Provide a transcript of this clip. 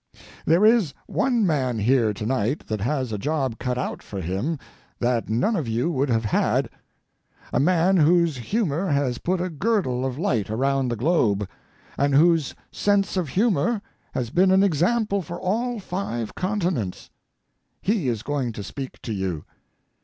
There is one man here to night that has a job cut out for him that none of you would have had a man whose humor has put a girdle of light around the globe, and whose sense of humor has been an example for all five continents. He is going to speak to you.